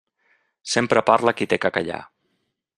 Sempre parla qui té què callar.